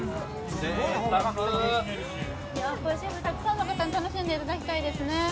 シェフ、たくさんの方に楽しんでいただきたいですね。